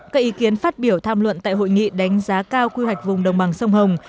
các ý kiến phát biểu tham luận tại hội nghị đánh giá cao quy hoạch vùng đồng bằng sông hồng